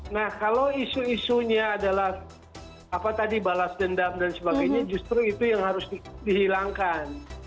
nah kalau isu isunya adalah apa tadi balas dendam dan sebagainya justru itu yang harus dihilangkan